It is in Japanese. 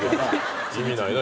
意味ないな